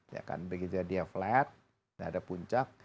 ya kan begitu dia flat tidak ada puncak